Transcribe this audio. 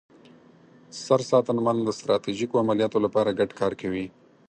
سرساتنمن د ستراتیژیکو عملیاتو لپاره ګډ کار کوي.